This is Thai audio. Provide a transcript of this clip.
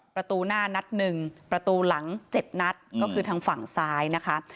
ประตูหน้านัด๑ประตูหลัง๗นัดก็คือทางฝั่งซ้ายนะคะ